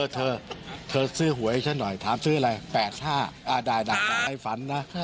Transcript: เธอซื้อหวยให้ฉันหน่อยถามซื้ออะไร๘๕ได้ให้ฝันนะ